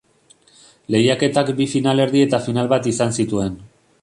Lehiaketak bi finalerdi eta final bat izan zituen.